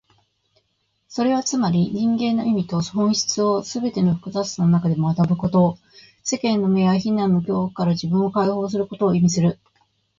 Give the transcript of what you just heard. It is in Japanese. それはつまり、人生の意味と本質をすべての複雑さの中で学ぶこと、世間の目や非難の恐怖から自分を解放することを意味する。